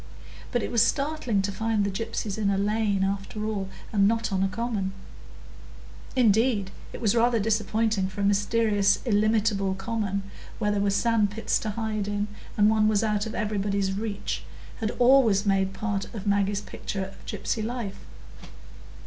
But it was startling to find the gypsies in a lane, after all, and not on a common; indeed, it was rather disappointing; for a mysterious illimitable common, where there were sand pits to hide in, and one was out of everybody's reach, had always made part of Maggie's picture of gypsy life.